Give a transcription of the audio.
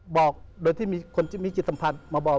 บอกโดยที่มีคนที่มีจิตสัมพันธ์มาบอก